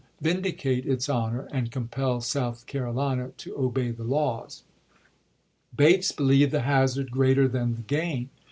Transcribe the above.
vindicate its honor, and compel South Carolina to obey the laws. Bates believed the hazard greater than the gain.